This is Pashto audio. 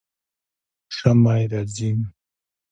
ژمی راځي